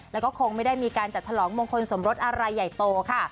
แล้วก็คงไม่ได้มีการจัดฉลองมงคลสมรสอะไรใหญ่โตค่ะ